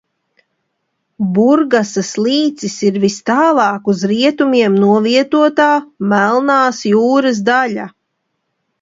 Burgasas līcis ir vistālāk uz rietumiem novietotā Melnās jūras daļa.